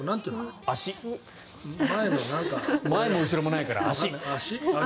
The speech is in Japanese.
前も後ろもないから足。